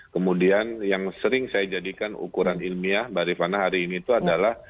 kemudian yang sering saya jadikan ukuran ilmiah mbak rifana hari ini itu adalah